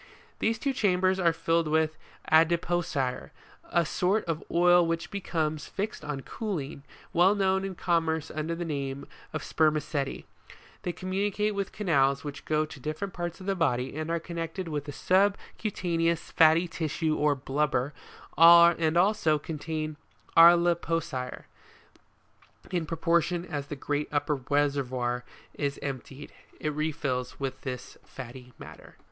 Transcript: These two chambers are filled with adipocire, a sort of oil which becomes fixed on cooling, well known in com merce under the name of Spermaceti: they communicate with canals which go to different parts of the body and are connected with the sub cutaneous fatty tissue or blubber, and also contain arlipocire: in proportion as the great upper reservoir is emptied, it refills with this fatty matter.